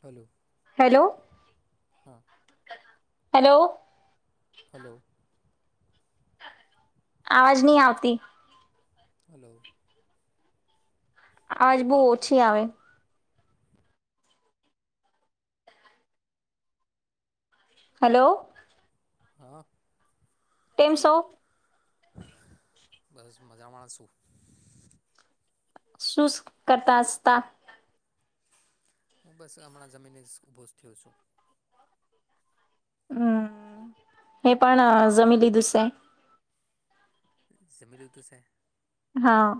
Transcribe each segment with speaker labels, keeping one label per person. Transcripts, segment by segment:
Speaker 1: Hello
Speaker 2: hello
Speaker 1: હા
Speaker 2: hello
Speaker 1: hello
Speaker 2: આવાજ નહી આવતી.
Speaker 1: હલો
Speaker 2: આવાજ બહુ ઓછી આવે. હલો
Speaker 1: હા
Speaker 2: કેમ સો?
Speaker 1: બસ મજામાં શું
Speaker 2: શૂઝ કરતાસતા
Speaker 1: હું બસ હમણાં જમીને જ ઊભો થયો છું.
Speaker 2: હમ્મ મેં પણ જમી લીધુ સે
Speaker 1: જમી લિધુ સે
Speaker 2: હા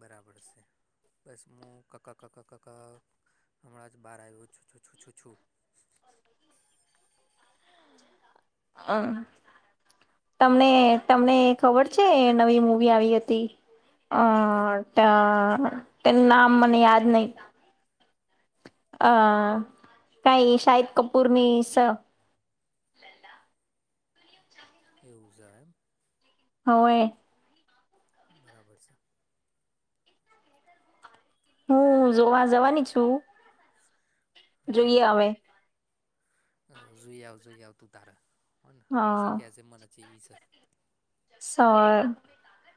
Speaker 1: બરાબર છે. [unintelligible]
Speaker 2: [unintelligible] તમને તમને ખબર છે નવી મૂવી આવી હતી અ
Speaker 1: કંઈક
Speaker 2: ત તેન નામ મને યાદ નહી. અ કઈ શાહીદ કપૂરની
Speaker 1: એવું શે એમ
Speaker 2: હવે
Speaker 1: બરાબર છે.
Speaker 2: હું જોવા જવાની છું.
Speaker 1: હા
Speaker 2: જોઈએ
Speaker 1: હા
Speaker 2: હવે
Speaker 1: જોઈ આવ જોઈ આવ તું તારે હને
Speaker 2: હા
Speaker 1: પછી કેજે મને ચેવી છે
Speaker 2: [unintelligible]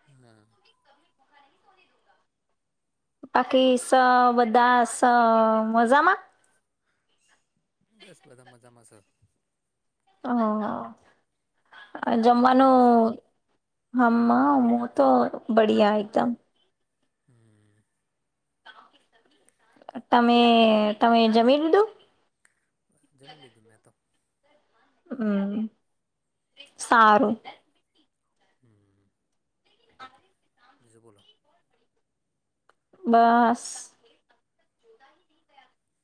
Speaker 1: હમ્મ
Speaker 2: બાકી સ બધા સ મજામાં
Speaker 1: બસ બધા મજામાં સ
Speaker 2: હ
Speaker 1: તમે કેમ છો
Speaker 2: જમવાનું [unintelligible]
Speaker 1: હમ્મ.
Speaker 2: તમે તમે જમી લીધું
Speaker 1: જમી લીધું મેં તો
Speaker 2: હમ્મ સારું
Speaker 1: હમ્મ
Speaker 2: [inaudible]
Speaker 1: બીજું બોલો
Speaker 2: બસ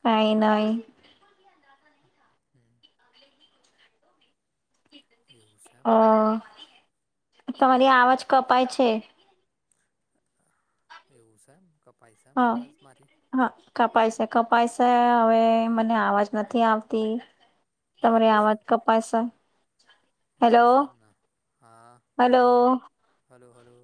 Speaker 2: કાઇ નઈ
Speaker 1: હમ્મ. એવું સે
Speaker 2: અ તમારી આવાજ કપાય છે.
Speaker 1: એવું શે કપાઈ શે એમ અવાજ મારી
Speaker 2: હ, કપાય શે કપાય શે અવે મને અવાજ નથી આવતી. તમારે
Speaker 1: બરાબર છે
Speaker 2: અવાજ કપાય શે.
Speaker 1: એવું છે એમ ને, હા હલો હલો હલો